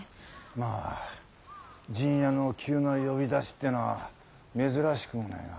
まぁ陣屋の急な呼び出しってのは珍しくもねぇが。